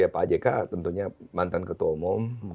pak jk tentunya mantan ketua umum